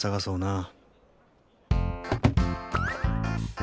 あ。